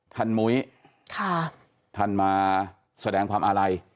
มุ้ยท่านมาแสดงความอาลัย